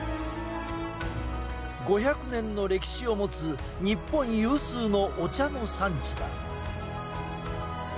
５００年の歴史を持つ日本有数のお茶の産地だ。